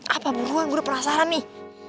apa buruan buru penasaran nih